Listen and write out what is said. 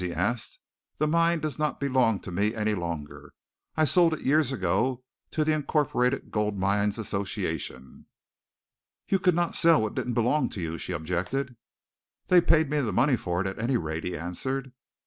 he asked. "The mine does not belong to me any longer. I sold it years ago to the Incorporated Gold Mines Association." "You could not sell what didn't belong to you," she objected. "They paid me the money for it, at any rate," he answered.